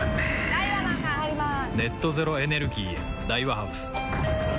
・ダイワマンさん入りまーす！